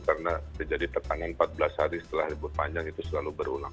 karena terjadi pertanganan empat belas hari setelah libur panjang itu selalu berulang